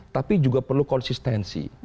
tapi juga perlu konsistensi